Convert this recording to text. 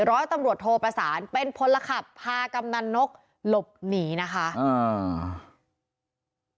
ร้อยตำรวจโทประสานเป็นพลขับพากำนันนกหลบหนีนะคะอ่า